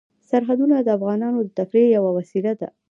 سرحدونه د افغانانو د تفریح یوه وسیله ده.